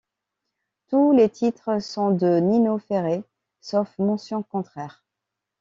Tous les titres sont de Nino Ferrer, sauf mention contraire.